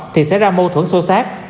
thì sẽ ra mâu thuẫn sâu sát